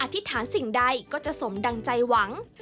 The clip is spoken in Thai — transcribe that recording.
ธิษฐานสิ่งใดก็จะสมดังใจหวัง